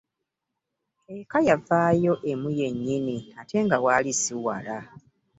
Eka yavaayo emu yennyini, ate nga waali si wala yadde.